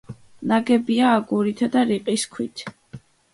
ნაგებია აგურითა და რიყის ქვით.